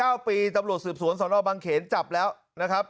เก้าปีตำรวจสืบสวนสนบังเขนจับแล้วนะครับ